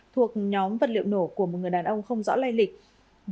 thuộc nhóm vật liệu nổ của một người đàn ông không rõ lai lịch